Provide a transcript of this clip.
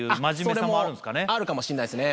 それもあるかもしれないですね。